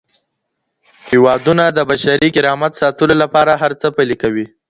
هیوادونه د بشري کرامت ساتلو لپاره څه پلي کوي؟